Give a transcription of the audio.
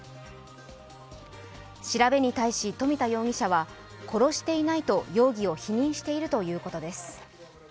調べに対し、冨田容疑者は殺していないと容疑を否認しているということです。